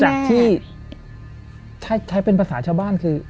จากที่ใช้เป็นภาษาชาวบ้านคือ